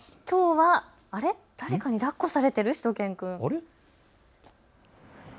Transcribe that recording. きょうは誰かにだっこされているしゅと犬くん。